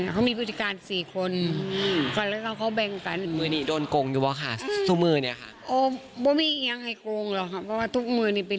ใครดีบ้างค่ะตอนนี้